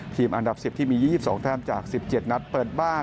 อันดับ๑๐ที่มี๒๒แต้มจาก๑๗นัดเปิดบ้าน